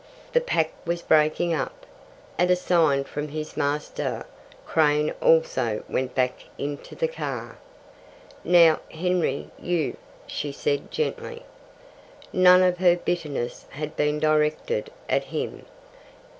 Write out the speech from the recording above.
The pack was breaking up. At a sign from his master, Crane also went back into the car. "Now, Henry, you," she said gently. None of her bitterness had been directed at him.